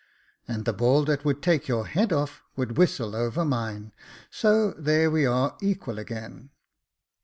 *' And the ball that would take your head off, would whistle over mine ; so there we are equal again."